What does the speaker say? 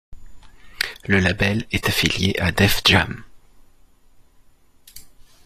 Le label est affilié à Def Jam.